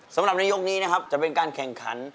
สำหรับในยกนี้นะครับจะเป็นการแข่งขัน